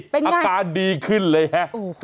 เป็นไงการดีขึ้นเลยแฮะโอ้หือ